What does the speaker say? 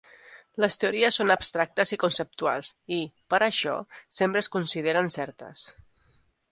Les teories són abstractes i conceptuals i, per a això, sempre es consideren certes.